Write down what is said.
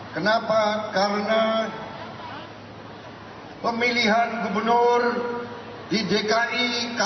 kenapa karena pemilihan gubernur di dki jakarta